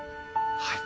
はい。